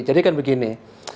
jadi kan begini